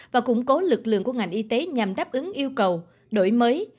và củng cố lực lượng của ngành y tế nhằm đáp ứng yêu cầu đổi mới